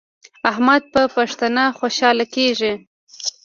احمد په پښتنه خوشحاله کیږي.